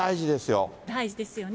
大事ですよね。